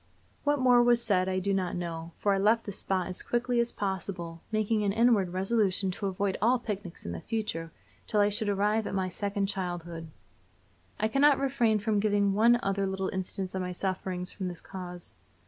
What more was said I do not know, for I left the spot as quickly as possible, making an inward resolution to avoid all picnics in the future till I should arrive at my second childhood. I cannot refrain from giving one other little instance of my sufferings from this cause.